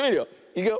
いくよ。